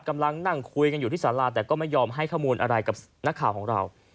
กำลังนั่งคุยกันอยู่ที่สาราแต่ก็ไม่ยอมให้ข้อมูลอะไรกับนักข่าวของเรา